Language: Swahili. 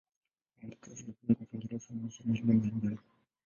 Maambukizi ya viungo vingine husababisha dalili mbalimbali.